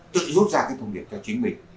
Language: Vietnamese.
tự rút ra cái thông điệp cho chính mình